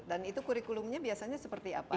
dan itu kurikulumnya biasanya seperti apa